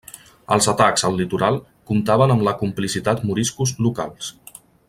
Els atacs al litoral comptaven amb la complicitat moriscos locals.